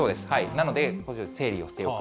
なので整理をしておく。